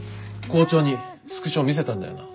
校長にスクショ見せたんだよな？